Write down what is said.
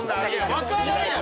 分からんやろ。